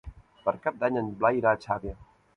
Per Cap d'Any en Blai irà a Xàbia.